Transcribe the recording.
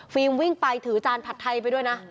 วิ่งไปถือจานผัดไทยไปด้วยนะ